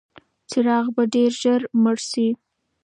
څراغ به ډېر ژر مړ شي.